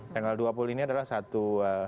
tanggal dua puluh ini adalah satu